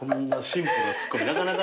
シンプルな。